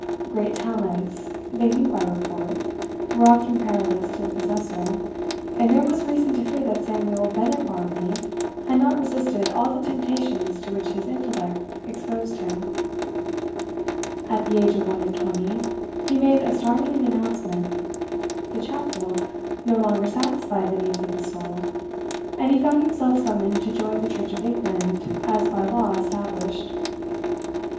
'Great talents,' they knew by report, were often perilous to the possessor, and there was reason to fear that Samuel Bennett Barmby had not resisted all the temptations to which his intellect exposed him. At the age of one and twenty he made a startling announcement; 'the Chapel' no longer satisfied the needs of his soul, and he found himself summoned to join the Church of England as by law established.